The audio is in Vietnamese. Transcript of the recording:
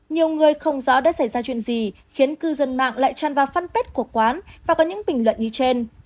nhiều người không rõ đã xảy ra chuyện gì khiến cư dân mạng lại tràn vào fanpage của quán và có những bình luận như trên